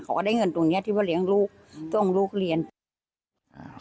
ก็ได้เงินตรงเนี้ยที่ว่าเลี้ยงลูกส่งลูกเรียนอ่า